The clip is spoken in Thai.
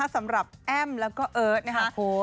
สำหรับแอ้มแล้วก็เอิร์ทนะครับ